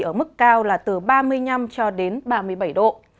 ở mức cao là từ ba mươi năm cho đến ba mươi bảy độ